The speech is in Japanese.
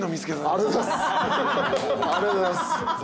ありがとうございます。